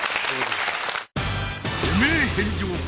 汚名返上か！？